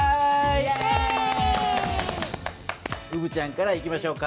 うぶちゃんからいきましょうか。